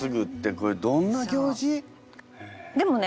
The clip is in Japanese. これどんな行事？でもね